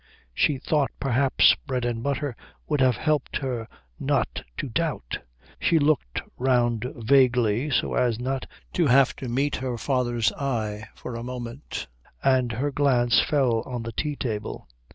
She thought perhaps bread and butter would have helped her not to doubt. She looked round vaguely so as not to have to meet her father's eye for a moment and her glance fell on the tea table.